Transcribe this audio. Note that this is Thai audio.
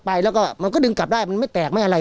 อ่ะลุงก็ยอมรับตรงนี้